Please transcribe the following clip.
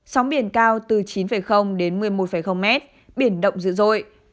sóng biển cao từ chín đến một mươi một mét biển động dữ dội